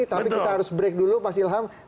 tapi kita harus break dulu pak ilham